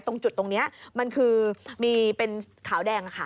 ตรงจุดตรงนี้มันคือมีเป็นขาวแดงค่ะ